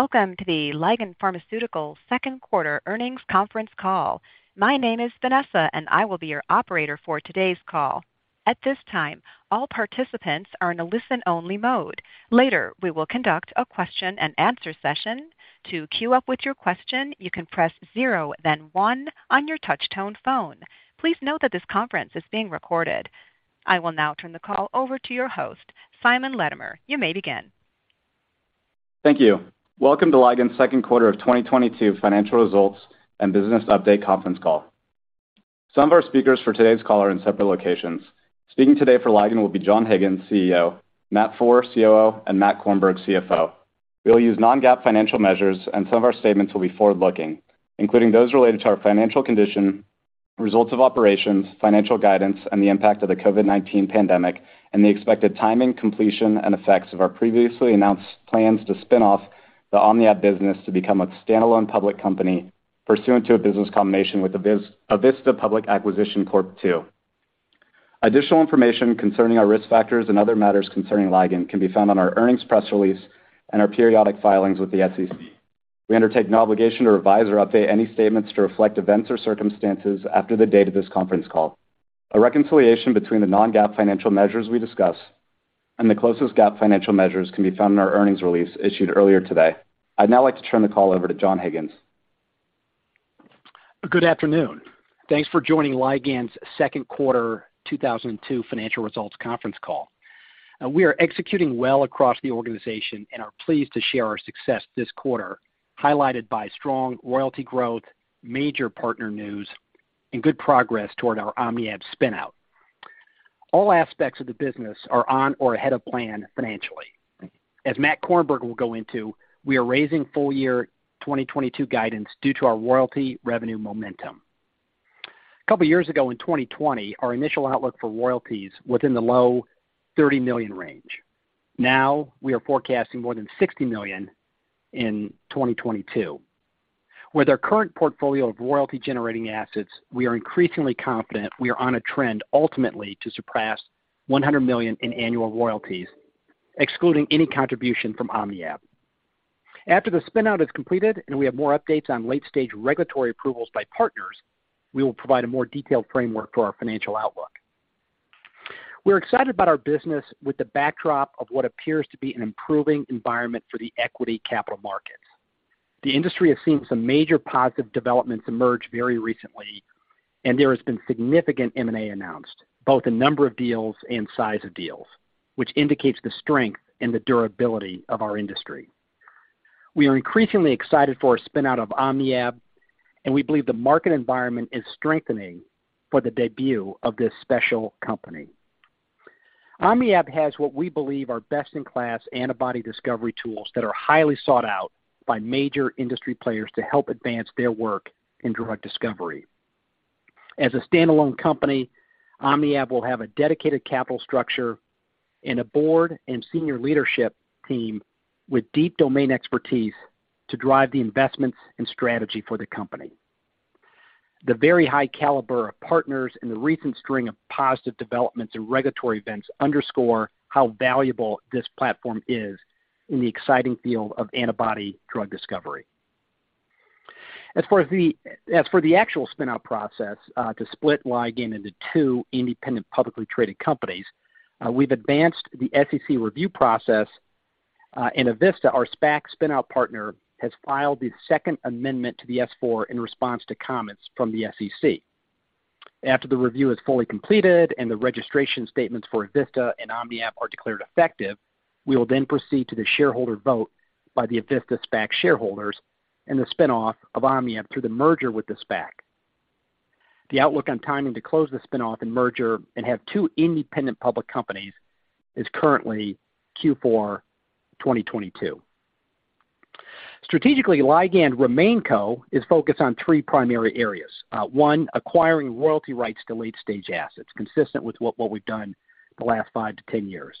Welcome to the Ligand Pharmaceuticals second quarter earnings conference call. My name is Vanessa, and I will be your operator for today's call. At this time, all participants are in a listen-only mode. Later, we will conduct a question and answer session. To queue up with your question, you can press zero then one on your touch-tone phone. Please note that this conference is being recorded. I will now turn the call over to your host, Simon Latimer. You may begin. Thank you. Welcome to Ligand's second quarter of 2022 financial results and business update conference call. Some of our speakers for today's call are in separate locations. Speaking today for Ligand will be John Higgins, CEO, Matthew Foehr, COO, and Matthew Korenberg, CFO. We'll use non-GAAP financial measures, and some of our statements will be forward-looking, including those related to our financial condition, results of operations, financial guidance, and the impact of the COVID-19 pandemic, and the expected timing, completion, and effects of our previously announced plans to spin off the OmniAb business to become a standalone public company pursuant to a business combination with Avista Public Acquisition Corp. II. Additional information concerning our risk factors and other matters concerning Ligand can be found on our earnings press release and our periodic filings with the SEC. We undertake no obligation to revise or update any statements to reflect events or circumstances after the date of this conference call. A reconciliation between the non-GAAP financial measures we discuss and the closest GAAP financial measures can be found in our earnings release issued earlier today. I'd now like to turn the call over to John Higgins. Good afternoon. Thanks for joining Ligand's second quarter 2022 financial results conference call. We are executing well across the organization and are pleased to share our success this quarter, highlighted by strong royalty growth, major partner news, and good progress toward our OmniAb spin-out. All aspects of the business are on or ahead of plan financially. As Matthew Korenberg will go into, we are raising full year 2022 guidance due to our royalty revenue momentum. A couple years ago in 2020, our initial outlook for royalties within the low $30 million range. Now, we are forecasting more than $60 million in 2022. With our current portfolio of royalty-generating assets, we are increasingly confident we are on a trend ultimately to surpass $100 million in annual royalties, excluding any contribution from OmniAb. After the spin-out is completed and we have more updates on late-stage regulatory approvals by partners, we will provide a more detailed framework for our financial outlook. We're excited about our business with the backdrop of what appears to be an improving environment for the equity capital markets. The industry has seen some major positive developments emerge very recently, and there has been significant M&A announced, both in number of deals and size of deals, which indicates the strength and the durability of our industry. We are increasingly excited for our spin-out of OmniAb, and we believe the market environment is strengthening for the debut of this special company. OmniAb has what we believe are best-in-class antibody discovery tools that are highly sought out by major industry players to help advance their work in drug discovery. As a standalone company, OmniAb will have a dedicated capital structure and a board and senior leadership team with deep domain expertise to drive the investments and strategy for the company. The very high caliber of partners and the recent string of positive developments and regulatory events underscore how valuable this platform is in the exciting field of antibody drug discovery. As for the actual spin-out process, to split Ligand into two independent publicly traded companies, we've advanced the SEC review process, and Avista, our SPAC spin-out partner, has filed the second amendment to the S-4 in response to comments from the SEC. After the review is fully completed and the registration statements for Avista and OmniAb are declared effective, we will then proceed to the shareholder vote by the Avista SPAC shareholders and the spin-off of OmniAb through the merger with the SPAC. The outlook on timing to close the spin-off and merger and have two independent public companies is currently Q4 2022. Strategically, Ligand RemainCo is focused on three primary areas. One, acquiring royalty rights to late-stage assets, consistent with what we've done the last five to 10 years.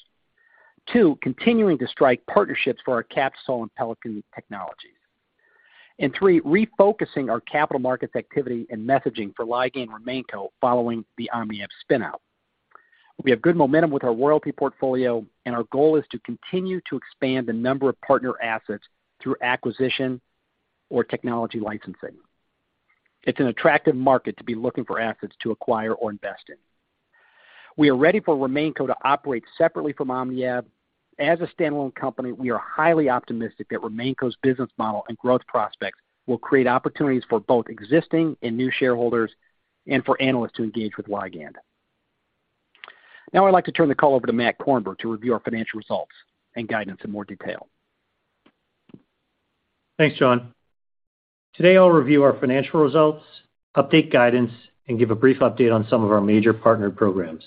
Two, continuing to strike partnerships for our Captisol Pelican technologies. Three, refocusing our capital markets activity and messaging for Ligand RemainCo following the OmniAb spin-out. We have good momentum with our royalty portfolio, and our goal is to continue to expand the number of partner assets through acquisition or technology licensing. It's an attractive market to be looking for assets to acquire or invest in. We are ready for RemainCo to operate separately from OmniAb. As a standalone company, we are highly optimistic that RemainCo's business model and growth prospects will create opportunities for both existing and new shareholders and for analysts to engage with Ligand. Now I'd like to turn the call over to Matthew Korenberg to review our financial results and guidance in more detail. Thanks, John. Today, I'll review our financial results, update guidance, and give a brief update on some of our major partnered programs.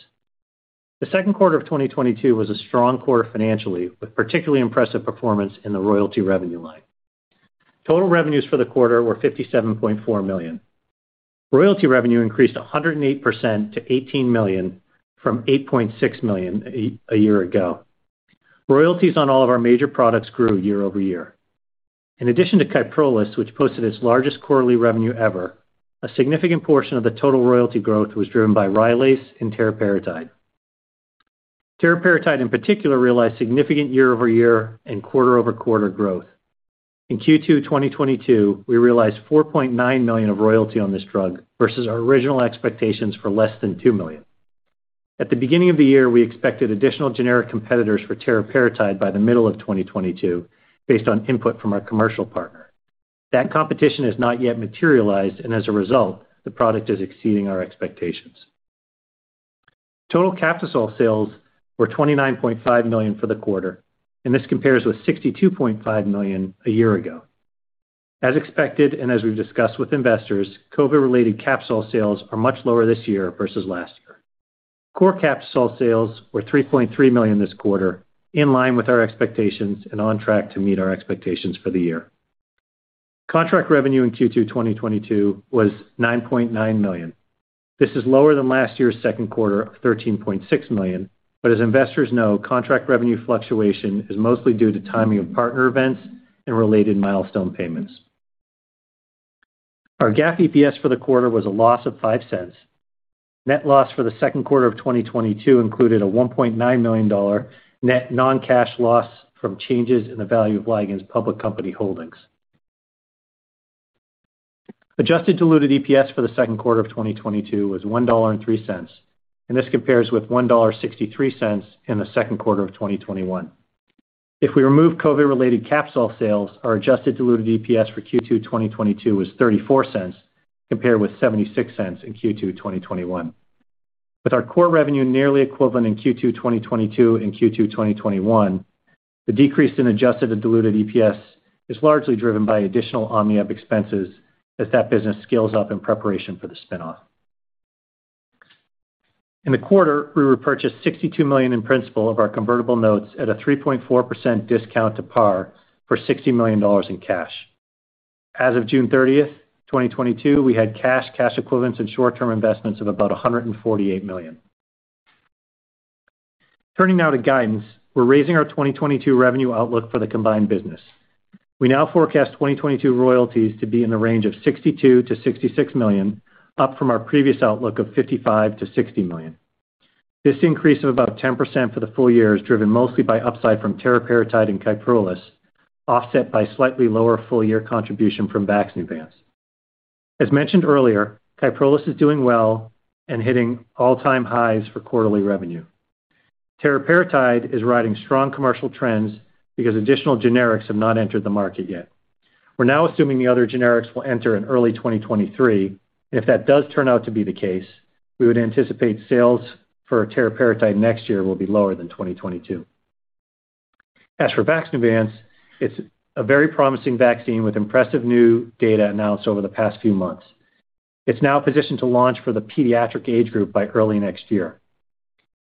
The second quarter of 2022 was a strong quarter financially, with particularly impressive performance in the royalty revenue line. Total revenues for the quarter were $57.4 million. Royalty revenue increased 108% to $18 million from $8.6 million a year ago. Royalties on all of our major products grew year-over-year. In addition to Kyprolis, which posted its largest quarterly revenue ever, a significant portion of the total royalty growth was driven by Rylaze and Teriparatide. Teriparatide in particular realized significant year-over-year and quarter-over-quarter growth. In Q2 2022, we realized $4.9 million of royalty on this drug versus our original expectations for less than $2 million. At the beginning of the year, we expected additional generic competitors for Teriparatide by the middle of 2022 based on input from our commercial partner. That competition has not yet materialized, and as a result, the product is exceeding our expectations. Total Captisol sales were $29.5 million for the quarter, and this compares with $62.5 million a year ago. As expected, and as we've discussed with investors, COVID-related Captisol sales are much lower this year versus last year. Core Captisol sales were $3.3 million this quarter, in line with our expectations and on track to meet our expectations for the year. Contract revenue in Q2 2022 was $9.9 million. This is lower than last year's second quarter of $13.6 million, but as investors know, contract revenue fluctuation is mostly due to timing of partner events and related milestone payments. Our GAAP EPS for the quarter was a loss of $0.05. Net loss for the second quarter of 2022 included a $1.9 million net non-cash loss from changes in the value of Ligand's public company holdings. Adjusted diluted EPS for the second quarter of 2022 was $1.03, and this compares with $1.63 in the second quarter of 2021. If we remove COVID-related Captisol sales, our adjusted diluted EPS for Q2 2022 was $0.34 compared with $0.76 in Q2 2021. With our core revenue nearly equivalent in Q2 2022 and Q2 2021, the decrease in adjusted and diluted EPS is largely driven by additional OmniAb expenses as that business scales up in preparation for the spin-off. In the quarter, we repurchased $62 million in principal of our convertible notes at a 3.4% discount to par for $60 millaion in cash. As of June 30, 2022, we had cash equivalents and short-term investments of about $148 million. Turning now to guidance. We're raising our 2022 revenue outlook for the combined business. We now forecast 2022 royalties to be in the range of $62 million-$66 million, up from our previous outlook of $55 million-$60 million. This increase of about 10% for the full year is driven mostly by upside from Teriparatide and Kyprolis, offset by slightly lower full-year contribution from VAXNEUVANCE. As mentioned earlier, Kyprolis is doing well and hitting all-time highs for quarterly revenue. Teriparatide is riding strong commercial trends because additional generics have not entered the market yet. We're now assuming the other generics will enter in early 2023. If that does turn out to be the case, we would anticipate sales for Teriparatide next year will be lower than 2022. As for VAXNEUVANCE, it's a very promising vaccine with impressive new data announced over the past few months. It's now positioned to launch for the pediatric age group by early next year.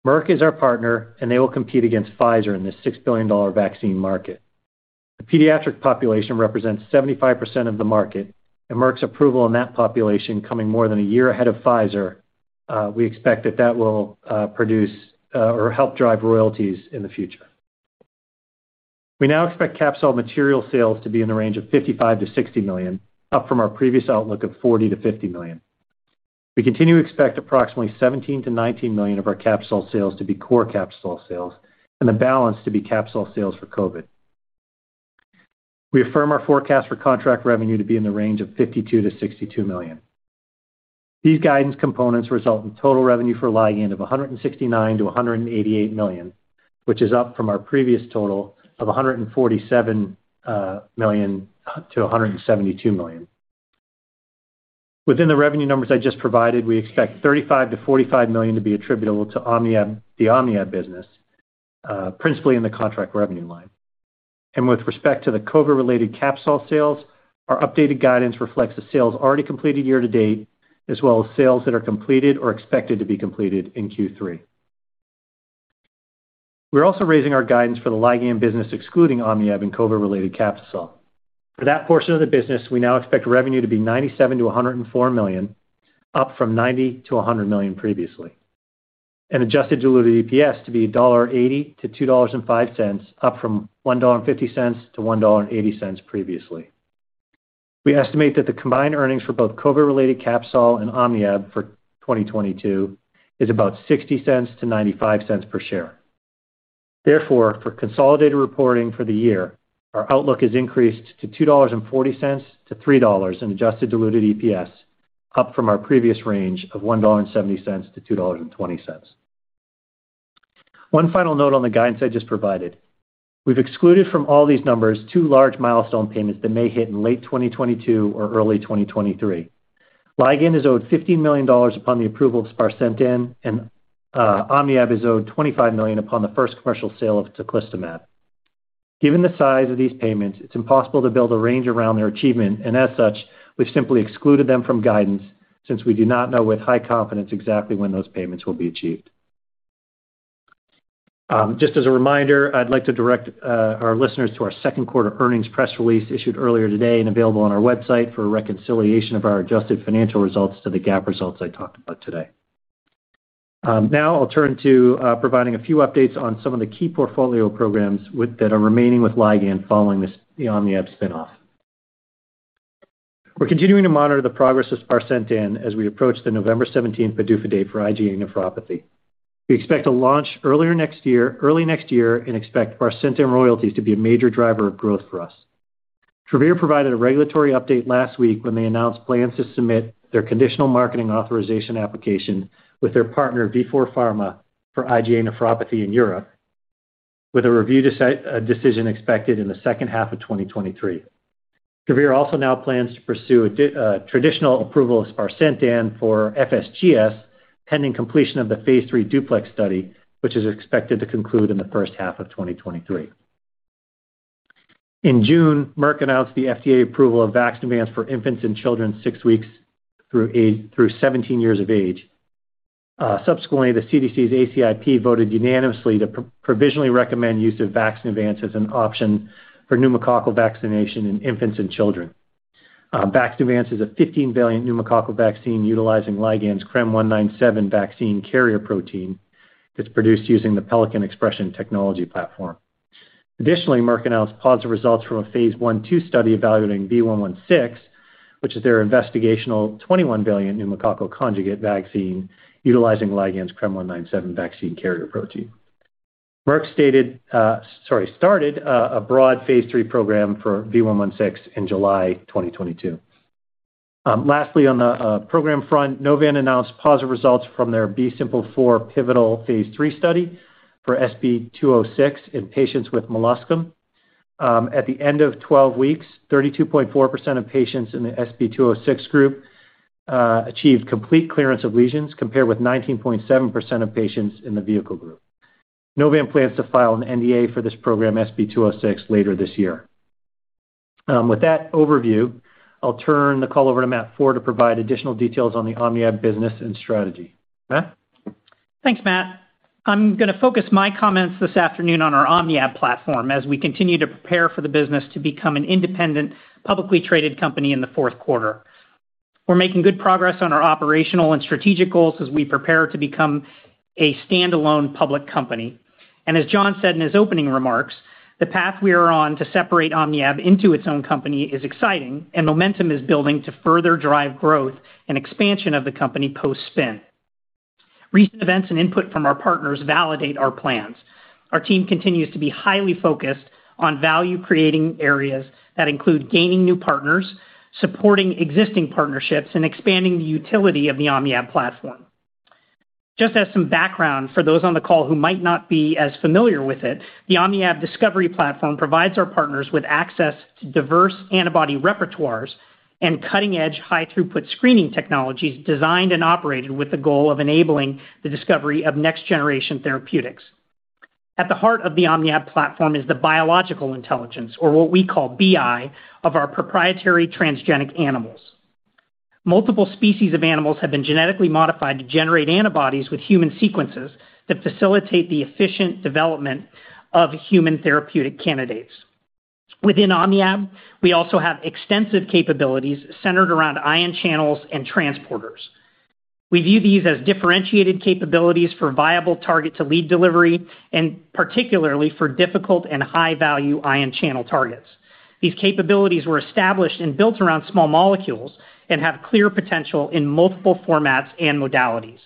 Merck is our partner, and they will compete against Pfizer in this $6 billion vaccine market. The pediatric population represents 75% of the market, and Merck's approval in that population coming more than a year ahead of Pfizer, we expect that will produce or help drive royalties in the future. We now expect Captisol material sales to be in the range of $55 million-$60 million, up from our previous outlook of $40 million-$50 million. We continue to expect approximately $17 million-$19 million of our Captisol sales to be core Captisol sales and the balance to be Captisol sales for COVID. We affirm our forecast for contract revenue to be in the range of $52 million-$62 million. These guidance components result in total revenue for Ligand of $169 million-$188 million, which is up from our previous total of $147 million-$172 million. Within the revenue numbers I just provided, we expect $35 million-$45 million to be attributable to OmniAb, the OmniAb business, principally in the contract revenue line. With respect to the COVID-related Captisol sales, our updated guidance reflects the sales already completed year to date, as well as sales that are completed or expected to be completed in Q3. We're also raising our guidance for the Ligand business excluding OmniAb and COVID-related Captisol. For that portion of the business, we now expect revenue to be $97 million-$104 million, up from $90 million-$100 million previously. Adjusted diluted EPS to be $1.80-$2.05, up from $1.50-$1.80 previously. We estimate that the combined earnings for both COVID-related Captisol and OmniAb for 2022 is about $0.60-$0.95 per share. Therefore, for consolidated reporting for the year, our outlook is increased to $2.40-$3 in adjusted diluted EPS, up from our previous range of $1.70-$2.20. One final note on the guidance I just provided. We've excluded from all these numbers two large milestone payments that may hit in late 2022 or early 2023. Ligand is owed $15 million upon the approval of sparsentan, and OmniAb is owed $25 million upon the first commercial sale of teclistamab. Given the size of these payments, it's impossible to build a range around their achievement, and as such, we've simply excluded them from guidance since we do not know with high confidence exactly when those payments will be achieved. Just as a reminder, I'd like to direct our listeners to our second quarter earnings press release issued earlier today and available on our website for a reconciliation of our adjusted financial results to the GAAP results I talked about today. Now I'll turn to providing a few updates on some of the key portfolio programs that are remaining with Ligand following the OmniAb spin-off. We're continuing to monitor the progress of sparsentan as we approach the November 17 PDUFA date for IgA nephropathy. We expect to launch early next year and expect sparsentan royalties to be a major driver of growth for us. Travere Therapeutics provided a regulatory update last week when they announced plans to submit their conditional marketing authorization application with their partner, Vifor Pharma, for IgA nephropathy in Europe, with a review decision expected in the second half of 2023. Travere Therapeutics also now plans to pursue a traditional approval of sparsentan for FSGS, pending completion of the phase III DUPLEX study, which is expected to conclude in the first half of 2023. In June, Merck announced the FDA approval of VAXNEUVANCE for infants and children six weeks through 17 years of age. Subsequently, the CDC's ACIP voted unanimously to provisionally recommend use of VAXNEUVANCE as an option for pneumococcal vaccination in infants and children. VAXNEUVANCE is a 15-valent pneumococcal vaccine utilizing Ligand's CRM197 vaccine carrier protein that's produced using the Pelican expression technology platform. Additionally, Merck announced positive results from a phase I/II study evaluating V116, which is their investigational 21-valent pneumococcal conjugate vaccine, utilizing Ligand's CRM197 vaccine carrier protein. Merck started a broad phase III program for V116 in July 2022. Lastly, on the program front, Novan announced positive results from their B-SIMPLE4 pivotal phase III study for SB206 in patients with molluscum. At the end of 12 weeks, 32.4% of patients in the SB206 group achieved complete clearance of lesions, compared with 19.7% of patients in the vehicle group. Novan plans to file an NDA for this program, SB206, later this year. With that overview, I'll turn the call over to Matthew Foehr to provide additional details on the OmniAb business and strategy. Matt? Thanks, Matt. I'm gonna focus my comments this afternoon on our OmniAb platform as we continue to prepare for the business to become an independent, publicly traded company in the fourth quarter. We're making good progress on our operational and strategic goals as we prepare to become a standalone public company. As John said in his opening remarks, the path we are on to separate OmniAb into its own company is exciting and momentum is building to further drive growth and expansion of the company post-spin. Recent events and input from our partners validate our plans. Our team continues to be highly focused on value-creating areas that include gaining new partners, supporting existing partnerships, and expanding the utility of the OmniAb platform. Just as some background for those on the call who might not be as familiar with it, the OmniAb discovery platform provides our partners with access to diverse antibody repertoires and cutting-edge high-throughput screening technologies designed and operated with the goal of enabling the discovery of next-generation therapeutics. At the heart of the OmniAb platform is the biological intelligence or what we call BI of our proprietary transgenic animals. Multiple species of animals have been genetically modified to generate antibodies with human sequences that facilitate the efficient development of human therapeutic candidates. Within OmniAb, we also have extensive capabilities centered around ion channels and transporters. We view these as differentiated capabilities for viable target to lead delivery, and particularly for difficult and high-value ion channel targets. These capabilities were established and built around small molecules and have clear potential in multiple formats and modalities.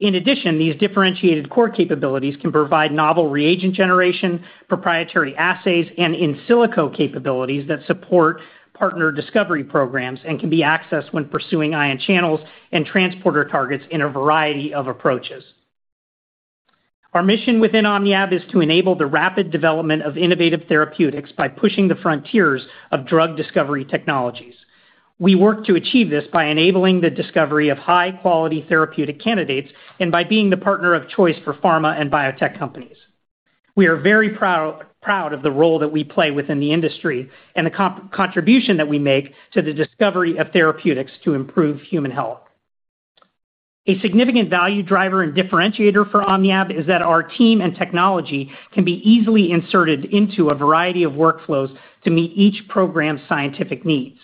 In addition, these differentiated core capabilities can provide novel reagent generation, proprietary assays, and in silico capabilities that support partner discovery programs and can be accessed when pursuing ion channels and transporter targets in a variety of approaches. Our mission within OmniAb is to enable the rapid development of innovative therapeutics by pushing the frontiers of drug discovery technologies. We work to achieve this by enabling the discovery of high-quality therapeutic candidates and by being the partner of choice for pharma and biotech companies. We are very proud of the role that we play within the industry and the contribution that we make to the discovery of therapeutics to improve human health. A significant value driver and differentiator for OmniAb is that our team and technology can be easily inserted into a variety of workflows to meet each program's scientific needs.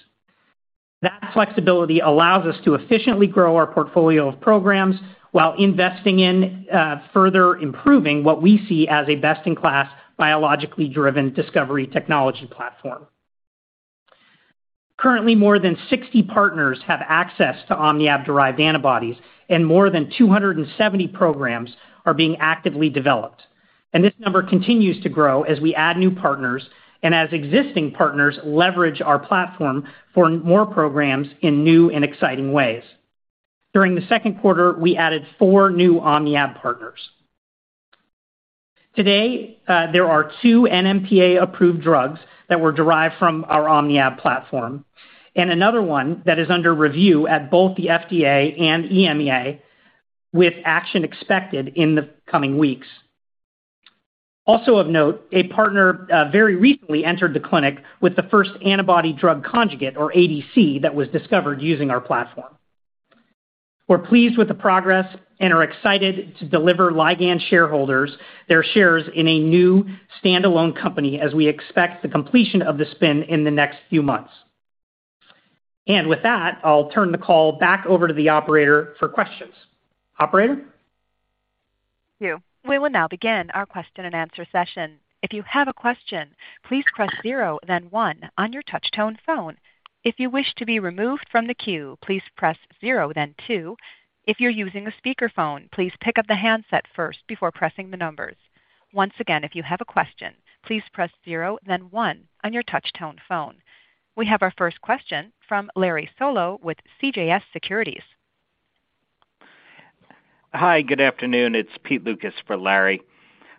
That flexibility allows us to efficiently grow our portfolio of programs while investing in, further improving what we see as a best-in-class biologically driven discovery technology platform. Currently, more than 60 partners have access to OmniAb-derived antibodies, and more than 270 programs are being actively developed. This number continues to grow as we add new partners and as existing partners leverage our platform for more programs in new and exciting ways. During the second quarter, we added four new OmniAb partners. Today, there are two NMPA-approved drugs that were derived from our OmniAb platform, and another one that is under review at both the FDA and EMA, with action expected in the coming weeks. Also of note, a partner very recently entered the clinic with the first antibody drug conjugate or ADC that was discovered using our platform. We're pleased with the progress and are excited to deliver Ligand shareholders their shares in a new standalone company as we expect the completion of the spin in the next few months. With that, I'll turn the call back over to the operator for questions. Operator? We will now begin our question-and-answer session. If you have a question, please press zero, then one on your touch-tone phone. If you wish to be removed from the queue, please press zero then two. If you're using a speakerphone, please pick up the handset first before pressing the numbers. Once again, if you have a question, please press zero then one on your touch-tone phone. We have our first question from Larry Solow with CJS Securities. Hi, good afternoon. It's Peter Lukas for Larry.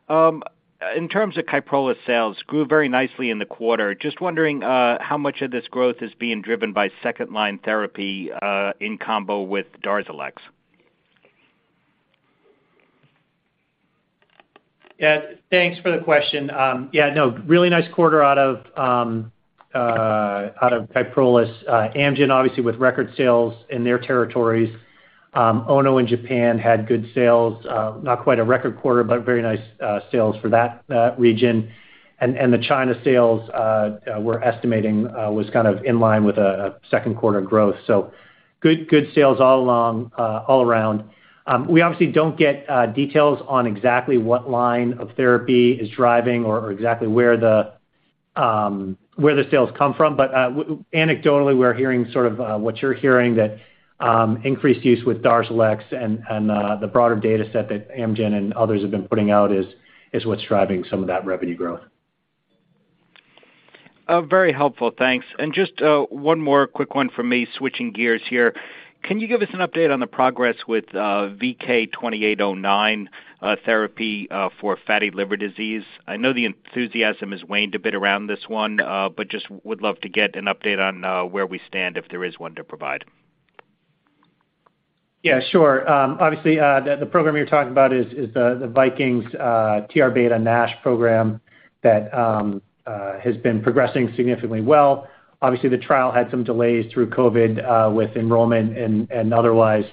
In terms of Kyprolis sales grew very nicely in the quarter. Just wondering, how much of this growth is being driven by second line therapy, in combo with Darzalex. Yeah, thanks for the question. Yeah, no, really nice quarter out of Kyprolis. Amgen, obviously, with record sales in their territories. Ono in Japan had good sales, not quite a record quarter, but very nice sales for that region. The China sales, we're estimating, was kind of in line with a second quarter growth. Good sales all around. We obviously don't get details on exactly what line of therapy is driving or exactly where the sales come from. Anecdotally, we're hearing sort of what you're hearing that increased use with Darzalex and the broader data set that Amgen and others have been putting out is what's driving some of that revenue growth. Very helpful. Thanks. Just one more quick one from me switching gears here. Can you give us an update on the progress with VK2809 therapy for fatty liver disease? I know the enthusiasm has waned a bit around this one, but just would love to get an update on where we stand if there is one to provide. Yeah, sure. Obviously, the program you're talking about is the Viking's THR-beta NASH program that has been progressing significantly well. Obviously, the trial had some delays through COVID with enrollment and otherwise.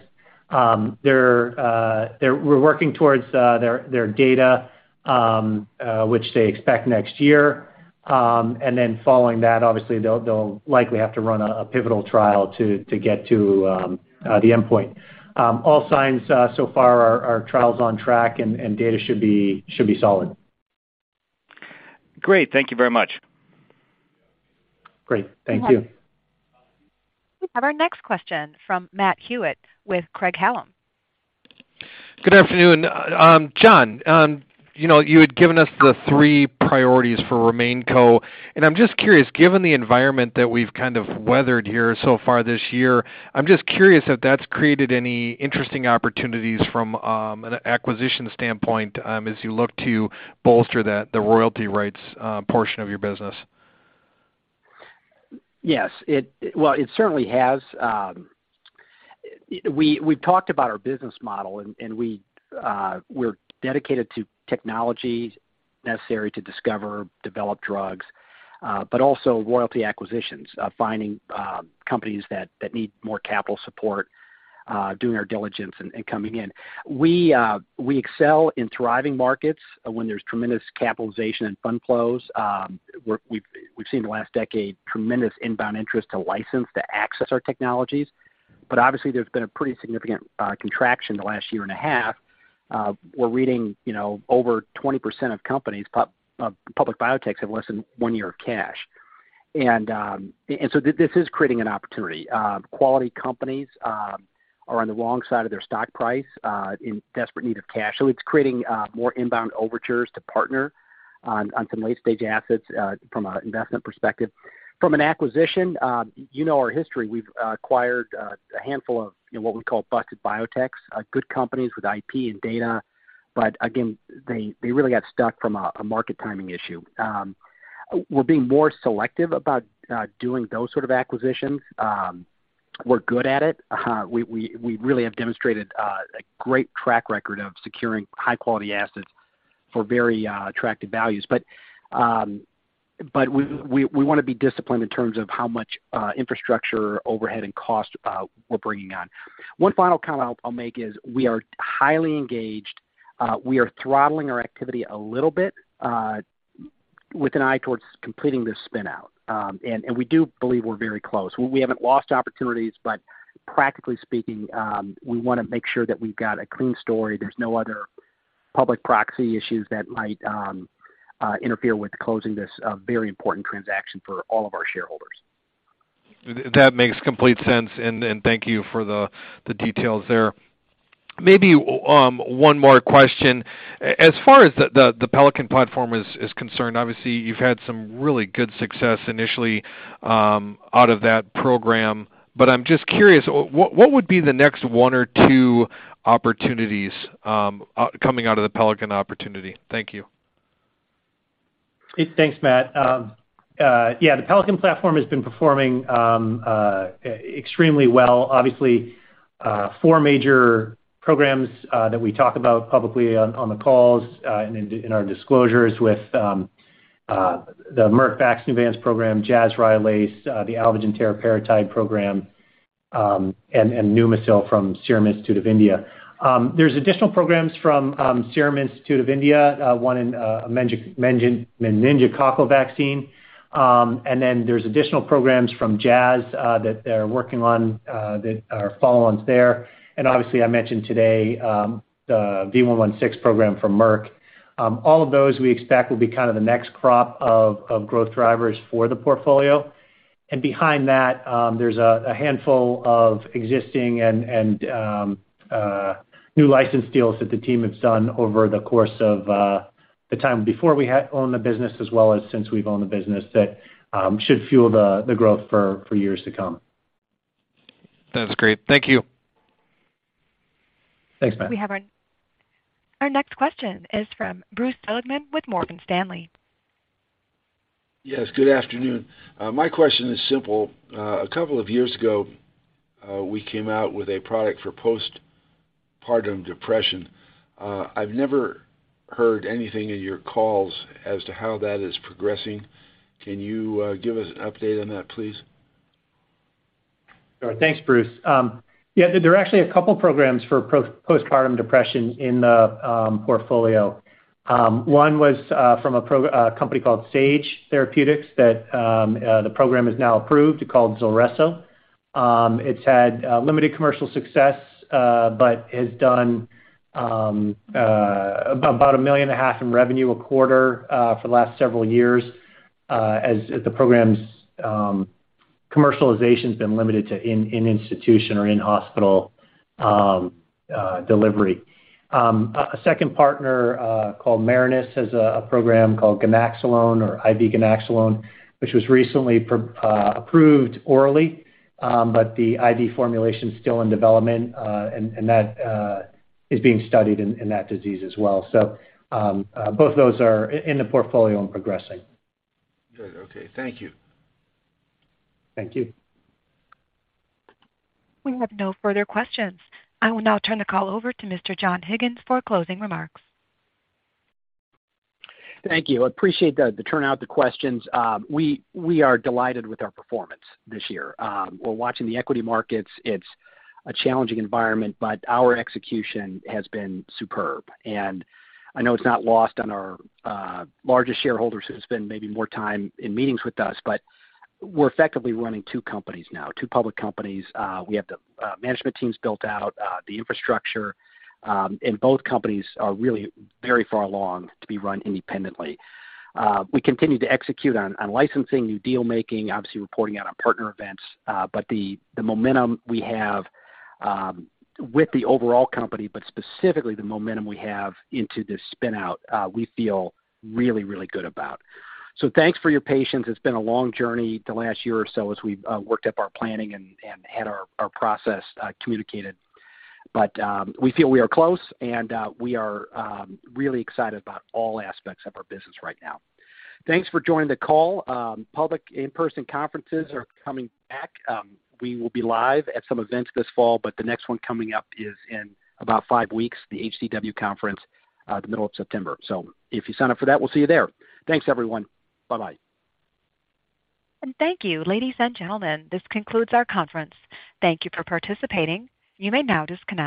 They're working towards their data which they expect next year. Following that, obviously, they'll likely have to run a pivotal trial to get to the endpoint. All signs so far are trials on track and data should be solid. Great. Thank you very much. Great. Thank you. We have our next question from Matt Hewitt with Craig-Hallum. Good afternoon. John, you know, you had given us the three priorities for RemainCo. I'm just curious, given the environment that we've kind of weathered here so far this year, if that's created any interesting opportunities from an acquisition standpoint, as you look to bolster the royalty rights portion of your business. Yes. It certainly has. We've talked about our business model, and we are dedicated to technology necessary to discover, develop drugs, but also royalty acquisitions, finding companies that need more capital support, doing our diligence and coming in. We excel in thriving markets when there's tremendous capitalization and fund flows. We've seen the last decade tremendous inbound interest to license to access our technologies. Obviously, there's been a pretty significant contraction in the last year and a half. We're reading, you know, over 20% of companies, public biotechs have less than one year of cash. This is creating an opportunity. Quality companies are on the wrong side of their stock price, in desperate need of cash. It's creating more inbound overtures to partner on some late-stage assets from an investment perspective. From an acquisition, you know our history. We've acquired a handful of, you know, what we call busted biotechs, good companies with IP and data. But again, they really got stuck from a market timing issue. We're being more selective about doing those sort of acquisitions. We're good at it. We really have demonstrated a great track record of securing high-quality assets for very attractive values. But we wanna be disciplined in terms of how much infrastructure, overhead, and cost we're bringing on. One final comment I'll make is we are highly engaged. We are throttling our activity a little bit with an eye towards completing this spin-out. We do believe we're very close. We haven't lost opportunities, but practically speaking, we wanna make sure that we've got a clean story. There's no other public proxy issues that might interfere with closing this very important transaction for all of our shareholders. That makes complete sense. Thank you for the details there. Maybe one more question. As far as the Pelican platform is concerned, obviously, you've had some really good success initially out of that program. I'm just curious, what would be the next one or two opportunities coming out of the Pelican opportunity? Thank you. Thanks, Matt. Yeah, the Pelican platform has been performing extremely well, obviously, four major programs that we talk about publicly on the calls and in our disclosures with the Merck VAXNEUVANCE program, Jazz Rylaze, the Alvogen Teriparatide program, and PNEUMOSIL from Serum Institute of India. There's additional programs from Serum Institute of India, one in meningococcal vaccine. Then there's additional programs from Jazz that they're working on that are follow-ons there. Obviously, I mentioned today the V116 program from Merck. All of those we expect will be kind of the next crop of growth drivers for the portfolio. Behind that, there's a handful of existing and new license deals that the team has done over the course of the time before we had owned the business as well as since we've owned the business that should fuel the growth for years to come. That's great. Thank you. Thanks, Matt. Our next question is from Bruce Hamilton with Morgan Stanley. Yes, good afternoon. My question is simple. A couple of years ago, we came out with a product for postpartum depression. I've never heard anything in your calls as to how that is progressing. Can you give us an update on that, please? Sure. Thanks, Bruce. Yeah, there are actually a couple programs for postpartum depression in the portfolio. One was from a company called Sage Therapeutics that the program is now approved. It's called ZULRESSO. It's had limited commercial success, but has done about $1.5 million in revenue a quarter for the last several years, as the program's commercialization has been limited to institutional or in-hospital delivery. A second partner called Marinus has a program called ganaxolone or IV ganaxolone, which was recently approved orally. But the IV formulation is still in development, and that is being studied in that disease as well. Both of those are in the portfolio and progressing. Good. Okay. Thank you. Thank you. We have no further questions. I will now turn the call over to Mr. John Higgins for closing remarks. Thank you. I appreciate the turnout, the questions. We are delighted with our performance this year. We're watching the equity markets. It's a challenging environment, but our execution has been superb. I know it's not lost on our largest shareholders who spend maybe more time in meetings with us, but we're effectively running two companies now, two public companies. We have the management teams built out, the infrastructure, and both companies are really very far along to be run independently. We continue to execute on licensing, new deal-making, obviously reporting out on partner events. But the momentum we have with the overall company, but specifically the momentum we have into this spin-out, we feel really good about. Thanks for your patience. It's been a long journey the last year or so as we've worked up our planning and had our process communicated. We feel we are close, and we are really excited about all aspects of our business right now. Thanks for joining the call. Public in-person conferences are coming back. We will be live at some events this fall, but the next one coming up is in about five weeks, the HCW conference, the middle of September. If you sign up for that, we'll see you there. Thanks, everyone. Bye-bye. Thank you. Ladies and gentlemen, this concludes our conference. Thank you for participating. You may now disconnect.